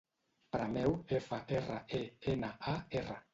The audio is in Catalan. Premeu efa, erra, e, ena, a, erra.